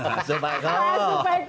masuk pak eko